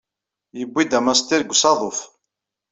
Yuwey-d amastir deg usaḍuf.